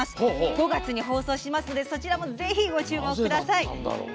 ５月に放送しますのでそちらもぜひご注目ください。